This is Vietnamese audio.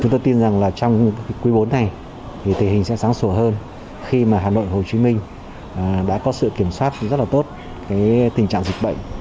chúng tôi tin rằng là trong quý bốn này thì tình hình sẽ sáng sủa hơn khi mà hà nội hồ chí minh đã có sự kiểm soát rất là tốt tình trạng dịch bệnh